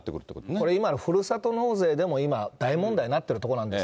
これ今のふるさと納税でも、今、大問題になってるところなんです。